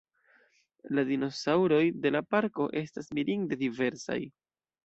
La dinosaŭroj de la parko estas mirinde diversaj.